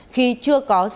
khi chưa có sự can thiệp